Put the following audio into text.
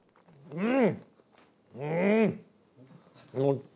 うん！